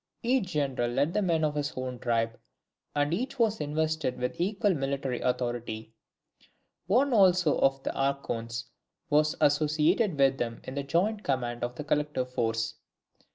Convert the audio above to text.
Each general led the men of his own tribe, and each was invested with equal military authority. One also of the Archons was associated with them in the joint command of the collective force.